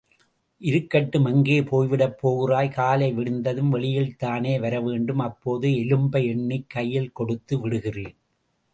இருக்கட்டும், எங்கே போய்விடப் போகிறாய் காலை விடிந்ததும், வெளியில்தானே வரவேண்டும் அப்போது எலும்பை எண்ணிக் கையில் கொடுத்து விடுகிறேன்.